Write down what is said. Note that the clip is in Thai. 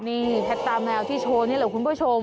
นี่แท็กตาแมวที่โชว์นี่แหละคุณผู้ชม